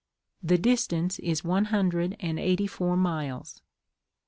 The distance is one hundred and eighty four miles.